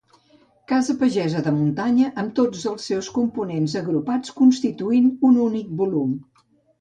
Casa pagesa de muntanya amb tots els seus components agrupats constituint un únic volum.